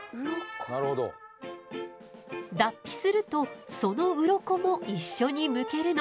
脱皮するとそのウロコも一緒にむけるの。